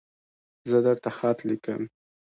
زه درته خط لیکم